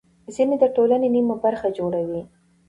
ښځې د ټولنې نیمه برخه جوړوي.